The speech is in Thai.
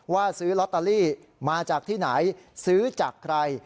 ซื้อลอตเตอรี่มาจากที่ไหนซื้อจากใคร